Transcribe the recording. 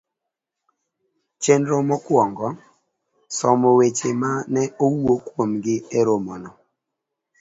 Chenro mokuongo. somo weche ma ne owuo kuomgi e romono.